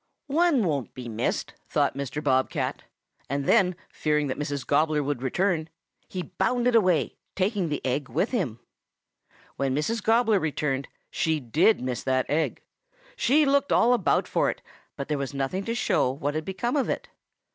"'One won't be missed,' thought Mr. Bob cat, and then, fearing that Mrs. Gobbler would return, he bounded away, taking the egg with him. "When Mrs. Gobbler returned, she did miss that egg. She looked all about for it, but there was nothing to show what had become of it.